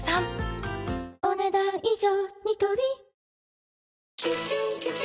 お、ねだん以上。